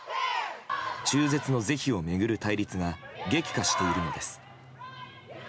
中絶の是非を巡る対立が激化しているのです。